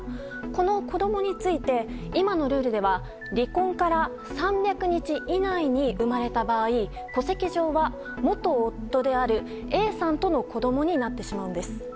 この子供について今のルールでは離婚から３００日以内に生まれた場合戸籍上は元夫であるＡさんとの子供になってしまうんです。